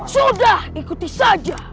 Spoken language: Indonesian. sudah ikuti saja